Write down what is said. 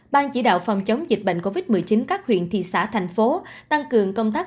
ban chỉ đạo phòng chống dịch bệnh covid một mươi chín các huyện thị xã thành phố tăng cường công tác